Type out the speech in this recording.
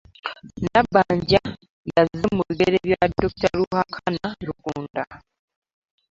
Nabbanja yazze mu bigere bya dokita Ruhakana Rugunda